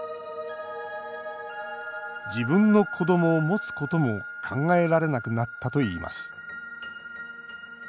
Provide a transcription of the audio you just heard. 自分の子どもを持つことも考えられなくなったといいます